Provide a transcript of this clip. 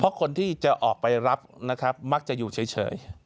เพราะคนที่จะออกไปรับนะครับมักจะอยู่เฉย